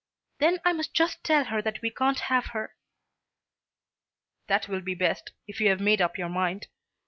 "Then I must just tell her that we can't have her." "That will be best, if you have made up your mind.